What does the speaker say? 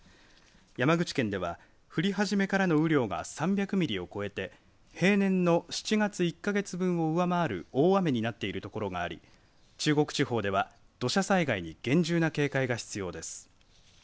山口県では降り始めからの雨量が３００ミリを超えて平年の７月１か月分を上回る大雨になっているところがあり中国地方では土砂災害に厳重な警戒が必要です。